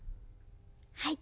はい。